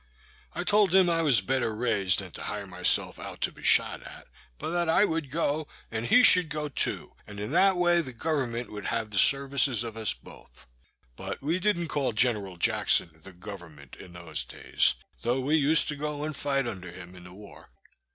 I told him I was better raised than to hire myself out to be shot at; but that I would go, and he should go too, and in that way the government would have the services of us both. But we didn't call General Jackson "the government" in those days, though we used to go and fight under him in the war.